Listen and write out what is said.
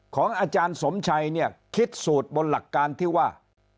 ของอาจารย์สมชัยเนี่ยคิดสูตรบนหลักการที่ว่า